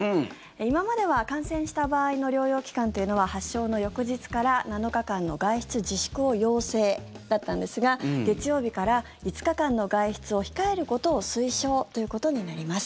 今までは感染した場合の療養期間というのは発症の翌日から７日間の外出自粛を要請だったんですが月曜日から５日間の外出を控えることを推奨ということになります。